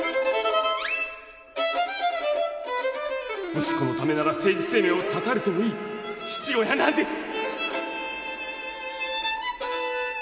息子のためなら政治生命を絶たれてもいい父親なんです！